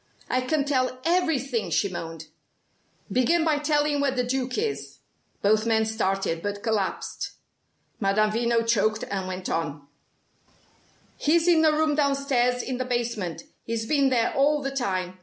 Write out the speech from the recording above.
"I can tell everything," she moaned. "Begin by telling where the Duke is." Both men started, but collapsed. Madame Veno choked and went on: "He's in a room downstairs in the basement. He's been there all the time.